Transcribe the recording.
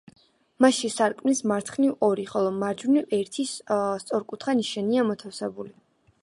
მასში სარკმლის მარცხნივ ორი, ხოლო მარჯვნივ ერთი სწორკუთხა ნიშია მოთავსებული.